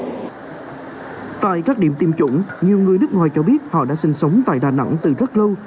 tại các điểm tiêm chủng nhiều người nước ngoài cho biết họ đã sinh sống tại đà nẵng từ rất lâu